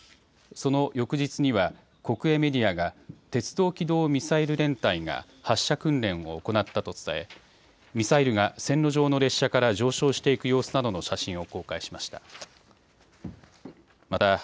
その翌日には国営メディアが鉄道機動ミサイル連隊が発射訓練を行ったと伝え、ミサイルが線路上の列車から上昇していく様子などの写真を公開しました。